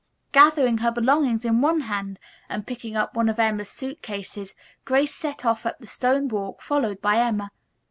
Gathering her belongings in one hand, and picking up one of Emma's suit cases, Grace set off up the stone walk followed by Emma.